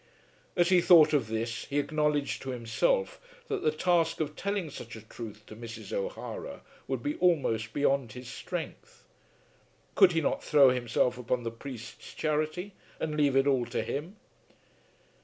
As he thought of this he acknowledged to himself that the task of telling such a truth to Mrs. O'Hara would be almost beyond his strength. Could he not throw himself upon the priest's charity, and leave it all to him?